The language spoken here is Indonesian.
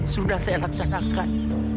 sudah saya laksanakan